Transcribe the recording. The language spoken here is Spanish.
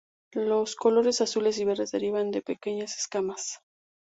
Los colores azules y verdes derivan de pequeñas escamas.